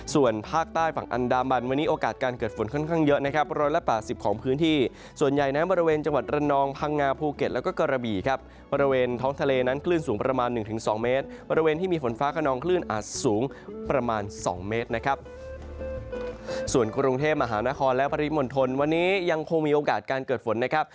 ส่วนภาคใต้ฝั่งอันดามบันวันนี้โอกาสเกิดฝนเข้าขึ้นขี้เยอะ